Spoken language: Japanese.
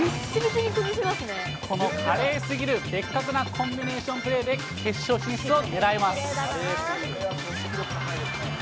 この華麗すぎるベッカクなコンビネーションプレーで、決勝進出を狙います。